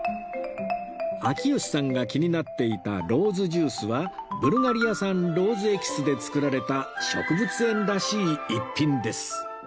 秋吉さんが気になっていたローズジュースはブルガリア産ローズエキスで作られた植物園らしい一品です